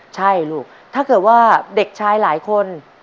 ใช่ลูกถ้าเกิดว่าเด็กชายหลายคน